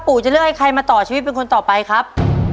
จะเลือกให้ใครมาต่อชีวิตเป็นคนต่อไปครับ